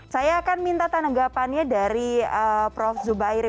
saya akan minta tanggapannya dari prof zubairi